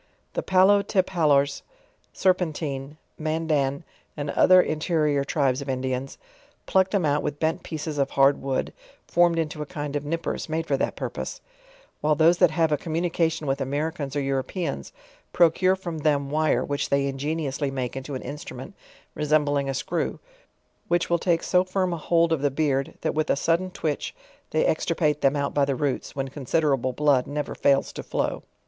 The PalJotepaUors, Serpentine, Mandan, and other interi or tribes of Indians, pluck them, out with bent pieces of hard wood, formed into a kind of nippers, made for that purpose; while those that have a communication with Americans or Europeans, procure from them wire, which they ingeniously make into an instrument resembling a screw, which will take so firm a hold of the beard, that with a sudden twitch they extirpate them out by the roots, when considerable blood ne ver fails to flow.